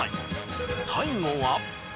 最後は。